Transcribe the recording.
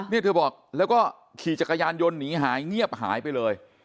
นี่เธอบอกแล้วก็ขี่จักรยานยนต์หนีหายเงียบหายไปเลย